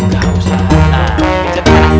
udah ustadz nah pincet karena